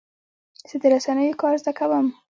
زه د رسنیو کار زده کوم.